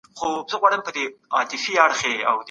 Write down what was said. بشري وضعې قوانین د ژوند حق څنګه تعریفوي؟